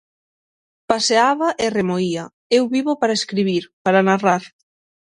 Paseaba e remoía: Eu vivo para escribir, para narrar.